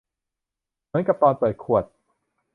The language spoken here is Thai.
เหมือนกับตอนเปิดขวด